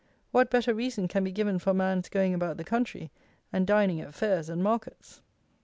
What better reason can be given for a man's going about the country and dining at fairs and markets?